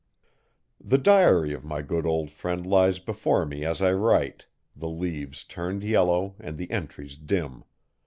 The diary of my good old friend lies before me as I write, the leaves turned yellow and the entries dim.